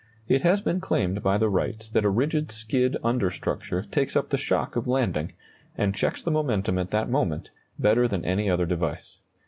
It has been claimed by the Wrights that a rigid skid under structure takes up the shock of landing, and checks the momentum at that moment, better than any other device.